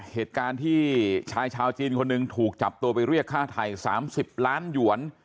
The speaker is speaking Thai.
เหตุการณ์ที่ชายชาวจีนคนหนึ่งถูกจับตัวไปเรียกค่าไทย๓๐ล้านหยวน